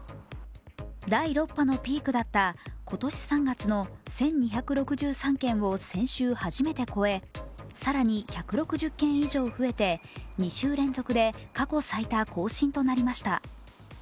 第６波のピークだった今年３月の１２６３件を先週初めて超え更に１６０件以上増えて２週連続で過去最多更新となりました。